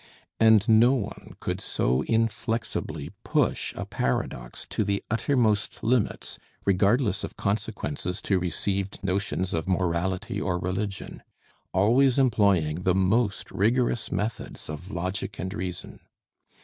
And no one could so inflexibly push a paradox to the uttermost limits, regardless of consequences to received notions of morality or religion; always employing the most rigorous methods of logic and reason.